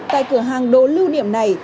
tại cửa hàng đồ lưu niệm này